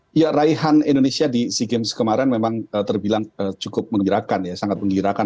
hai ya raihan indonesia di si games kemarin memang terbilang cukup menggerakkan ya sangat menggerakkan